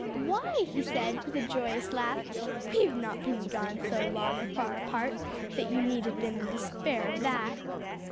"Why?" he said with a joyous laugh, "we've not been so long or so far apart that you need have been in despair of that."